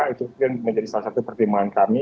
itu yang menjadi salah satu pertimbangan kami